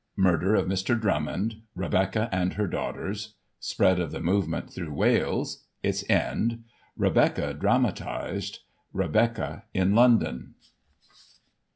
Murder of Mr. Drummond— Rebecca and her Daughters — Spread of the Move ment through Wales— Its End— Rebecca Dramatised— Rebecca in London.